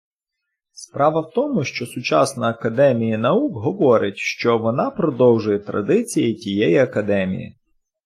Справа в тому що сучасна академія наук говорить що вона продовжує традиції тієї академії